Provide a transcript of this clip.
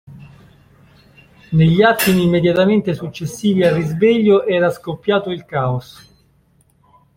Negli attimi immediatamente successivi al risveglio era scoppiato il caos.